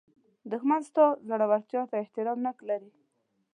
دښمن ستا زړورتیا ته احترام نه لري